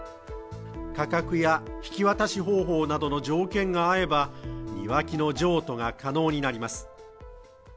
価格や引き渡し方法などの条件が合えば、庭木の譲渡が可能になります。